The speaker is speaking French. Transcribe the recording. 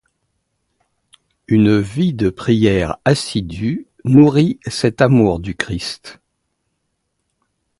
Une vie de prière assidue nourrit cet amour du Christ.